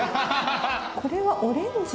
これはオレンジ？